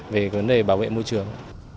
về cái vấn đề bảo vệ môi trường